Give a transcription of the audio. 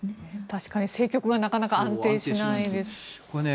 確かに政局がなかなか安定しないですね。